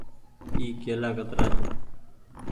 اي ڪيلآ ڪترآ ڇي۔